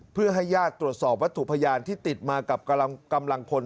เพื่อให้ญาติตรวจสอบวัตถุพยานที่ติดมากับกำลังพล